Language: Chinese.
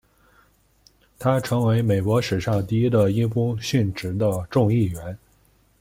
他成为美国史上第一个因公殉职的众议员。